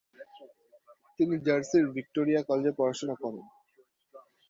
তিনি জার্সির ভিক্টোরিয়া কলেজে পড়াশোনা করেন।